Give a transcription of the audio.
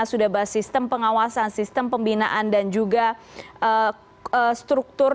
sudah bahas sistem pengawasan sistem pembinaan dan juga struktur